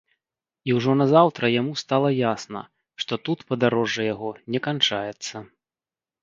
І ўжо назаўтра яму стала ясна, што тут падарожжа яго не канчаецца.